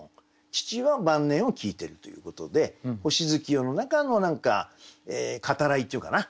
父は晩年を聞いてるということで星月夜の中の何か語らいっていうかな